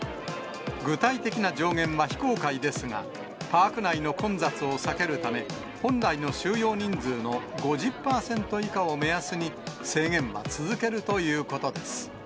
具体的な上限は非公開ですが、パーク内の混雑を避けるため、本来の収容人数の５０％以下を目安に、制限は続けるということです。